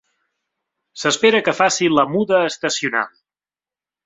S'espera que faci la muda estacional.